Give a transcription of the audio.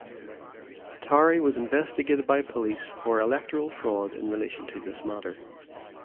Tarry was investigated by police for electoral fraud in relation to this matter.